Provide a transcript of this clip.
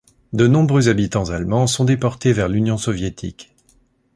De nombreux habitants allemands sont déportés vers l'Union soviétique.